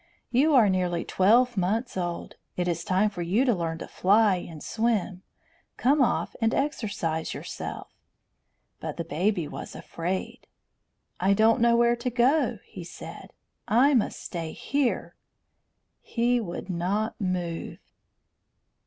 "You are nearly twelve months old. It is time for you to learn to fly and swim. Come off, and exercise yourself." But the baby was afraid. "I don't know where to go," he said. "I must stay here." He would not move.